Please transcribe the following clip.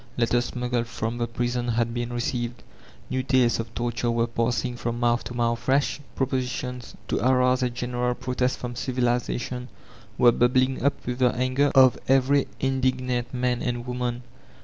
Letters smuggled from the prison had been received; new tales of torture were passing from mouth to mouth ; fresh propositions to arouse a general protest from civilization were bubbling up with the anger of every indignant man and woman.